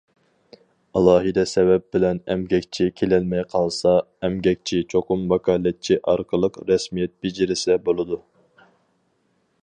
ئالاھىدە سەۋەب بىلەن ئەمگەكچى كېلەلمەي قالسا، ئەمگەكچى چوقۇم ۋاكالەتچى ئارقىلىق رەسمىيەت بېجىرسە بولىدۇ.